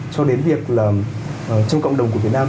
cho đến việc là trong cộng đồng của việt nam